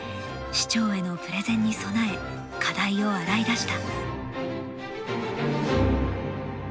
市長へのプレゼンに備え課題を洗い出した。